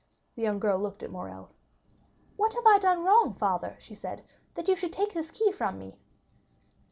The young girl looked at Morrel. "What have I done wrong, father," she said, "that you should take this key from me?"